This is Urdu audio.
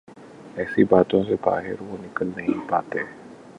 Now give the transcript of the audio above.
ایسی باتوں سے باہر وہ نکل نہیں پاتے۔